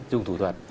dùng thủ thuật